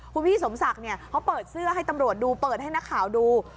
คุณพี่สมศักดิ์เนี่ยเขาเปิดเสื้อให้ตำรวจดูเปิดให้นักข่าวดู